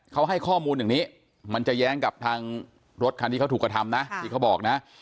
เขาให้ข้อมูลอย่างนี้มันจะแย้งกับทางรถคันที่เขาถูกกระทำนะที่เขาบอกนะ